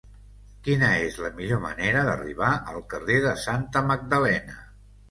Quina és la millor manera d'arribar al carrer de Santa Magdalena?